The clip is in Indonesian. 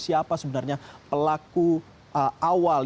siapa sebenarnya pelaku awal